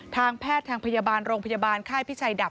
ทางแพทย์ทางพยาบาลโรงพยาบาลค่ายพิชัยดับ